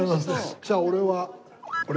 じゃあ俺はこれ。